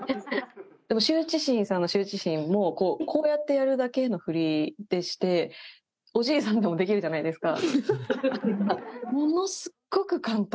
羞恥心さんの『羞恥心』もこうやってやるだけの振りでしておじいさんでもできるじゃないですか。